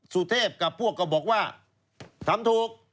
สุเทพกับพวกก็บอกว่าทำถูก